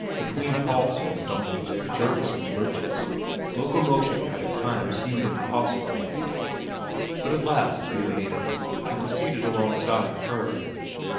Between halts and stumbles, jerks and lurches, locomotion had at times seemed impossible. But at last he had made it, and was seated alongside of Her.